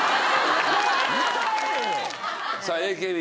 さあＡＫＢ。